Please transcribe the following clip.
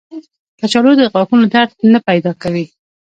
کچالو د غاښونو درد نه پیدا کوي